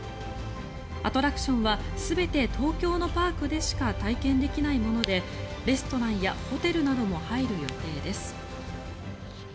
アトラクションは全て東京のパークでしか体験できないものでレストランやホテルなども入る予定です。